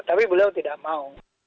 tapi beliau tidak mau